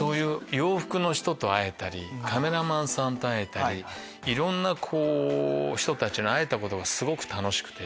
洋服の人と会えたりカメラマンさんと会えたりいろんな人たちに会えたことがすごく楽しくて。